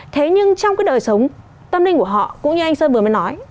thế nhưng trong cái đời sống tâm linh của họ cũng như anh sơn vừa mới nói